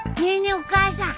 お母さん。